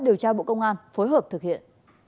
điều tra bộ công an phối hợp thực hiện